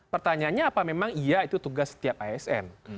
pertanyaannya apa memang iya itu tugas setiap asn